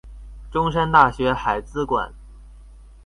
中山大學海資館